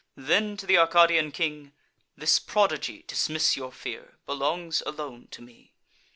Then, to th' Arcadian king: "This prodigy (Dismiss your fear) belongs alone to me.